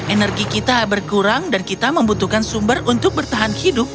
energi kita berkurang dan kita membutuhkan sumber untuk bertahan hidup